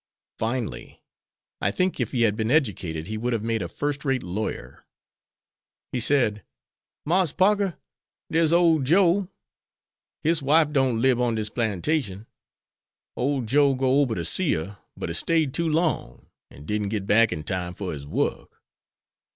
"Finely. I think if he had been educated he would have made a first rate lawyer. He said, 'Marse Parker, dere's old Joe. His wife don't lib on dis plantation. Old Joe go ober ter see her, but he stayed too long, an' didn't git back in time fer his work.